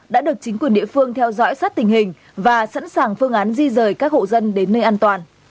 đã được chính quyền địa phương theo dõi sát tình hình và sẵn sàng phương án di rời các hộ dân đến nơi an toàn